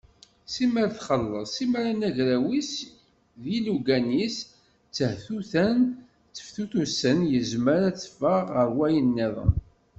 Simmal txelleḍ, simmal anagraw-is d yilugan-is ttehtutan, tteftutusen, yezmer ad teffeɣ ɣer wayen-nniḍen.